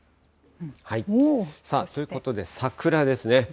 さあ、ということで、桜ですね。